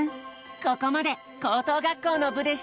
ここまで高等学校の部でした。